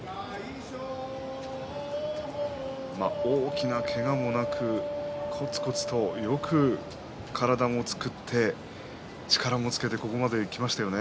大きなけがもなく、こつこつとよく体も作って力もつけてここまできましたよね。